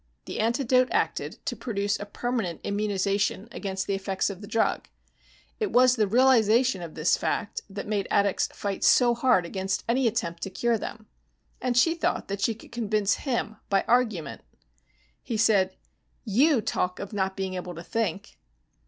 The antidote acted to produce a permanent immunization against the effects of the drug. It was the realization of this fact that made addicts fight so hard against any attempt to cure them. And she thought that she could convince him by argument! He said, "You talk of not being able to think!"